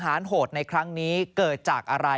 ปมการสังหารโหดในครั้งนี้เกิดจากอะไร